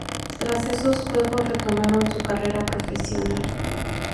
Tras estos Juegos, retomaron su carrera profesional.